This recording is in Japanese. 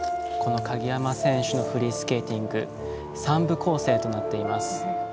鍵山選手のフリースケーティングは３部構成となっています。